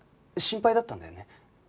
心配だったんだよね。